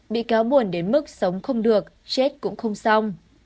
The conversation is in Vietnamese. bị cáo buồn đến mức sống không được chết cũng không xong